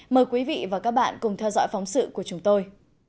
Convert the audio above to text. mời quý vị và các bạn cùng theo dõi phóng sự của chúng tôi